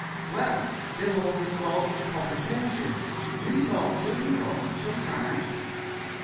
"Well, they were what is called conversation. You talk too, you know, sometimes."